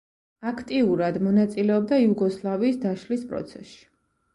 აქტიურად მონაწილეობდა იუგოსლავიის დაშლის პროცესში.